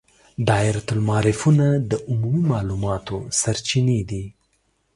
دایرة المعارفونه د عمومي معلوماتو سرچینې دي.